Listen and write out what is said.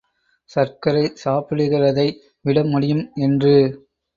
சர்க்கரை சாப்பிடுகிறதை விட முடியும் என்று.